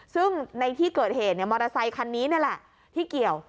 ซึ่งในที่เกิดเหตุมอเตอร์ไซคันนี้นี่แหละที่เกี่ยว